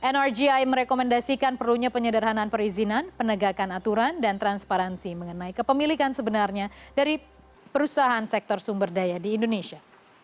nrgi merekomendasikan perlunya penyederhanaan perizinan penegakan aturan dan transparansi mengenai kepemilikan sebenarnya dari perusahaan sektor sumber daya di indonesia